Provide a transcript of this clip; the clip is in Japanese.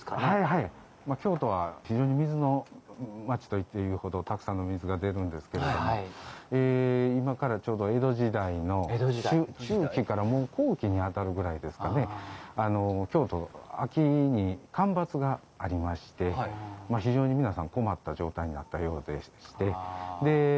はいはい京都は非常に水の町と言っていいほどたくさんの水が出るんですけど今からちょうど江戸時代の中期からもう後期に当たるぐらいですかね京都秋に干ばつがありまして非常に皆さん困った状態になったようでしてで